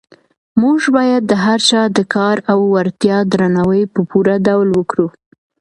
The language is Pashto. موږ باید د هر چا د کار او وړتیا درناوی په پوره ډول وکړو.